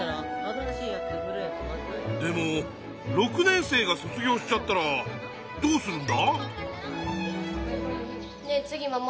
でも６年生が卒業しちゃったらどうするんだ？